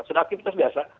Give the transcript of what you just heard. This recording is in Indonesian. sudah aktivitas biasa